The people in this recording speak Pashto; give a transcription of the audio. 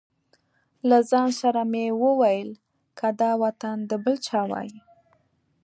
له ځان سره مې وویل که دا وطن د بل چا وای.